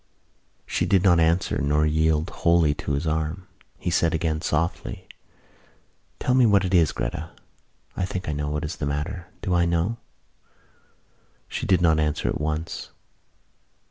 She did not answer nor yield wholly to his arm. He said again, softly: "Tell me what it is, Gretta. I think I know what is the matter. Do I know?" She did not answer at once.